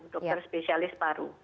dokter spesialis paru